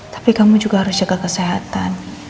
tapi kamu juga harus jaga kesehatan